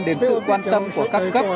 đến sự quan tâm của các cấp